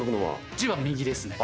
字は右ですね。